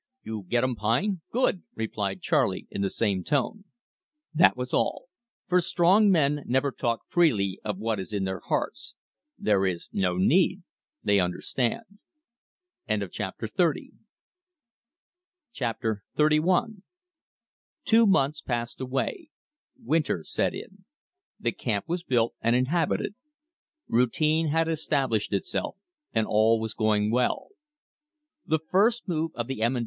"You gettum pine? Good!" replied Charley in the same tone. That was all; for strong men never talk freely of what is in their hearts. There is no need; they understand. Chapter XXXI Two months passed away. Winter set in. The camp was built and inhabited. Routine had established itself, and all was going well. The first move of the M.